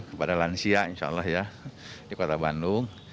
kepada lansia insya allah ya di kota bandung